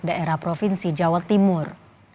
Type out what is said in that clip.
daerah provinsi jawa timur